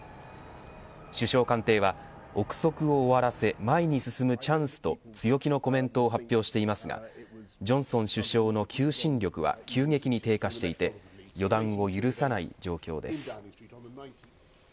首相官邸は臆測を終わらせ前に進むチャンスと強気のコメントを発表していますがジョンソン首相の求心力は急激に低下していて予断を許さない状況です。